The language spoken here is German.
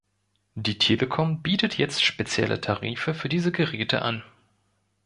Die Telekom bietet jetzt spezielle Tarife für diese Geräte an.